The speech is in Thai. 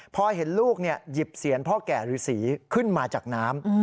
พอเห็นลูกหยิบเซียนพ่อแก่ฤษีขึ้นมาจากน้ำ